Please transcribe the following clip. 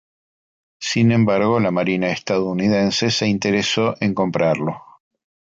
Sin embargo la marina estadounidense se interesó en comprarlo.